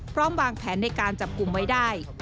พร้อมวางแผนในการจับกลุ่มไว้ได้